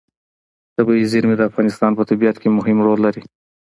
طبیعي زیرمې د افغانستان په طبیعت کې مهم رول لري.